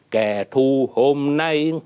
kẻ thù hôm nay